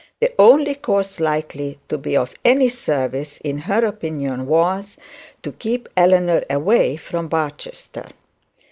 The only course likely to be of any service in her opinion was to keep Eleanor away from Barchester.